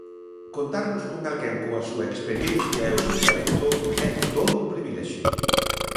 Contarmos con alguén coa súa experiencia e o seu talento é todo un privilexio.